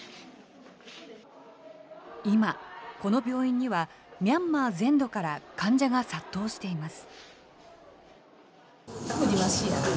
今、この病院にはミャンマー全土から患者が殺到しています。